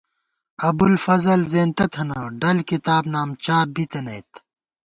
ابُوالفضل زېنتہ تھنہ ڈل کتاب نام چاپ بِی تَنَئیت